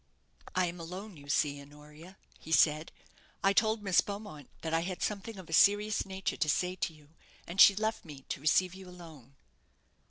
"I am alone, you see, Honoria," he said; "I told Miss Beaumont that I had something of a serious nature to say to you, and she left me to receive you alone."